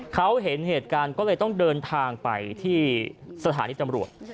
เขาเห็นเหตุการณ์ก็เลยต้องเดินทางไปที่สถานีตำรวจ